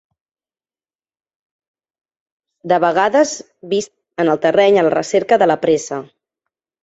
De vegades vist en el terreny a la recerca de la presa.